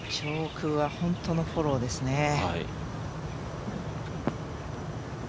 上空は本当のフォローですね。